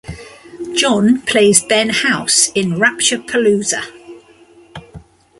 John plays Ben House in "Rapture-Palooza".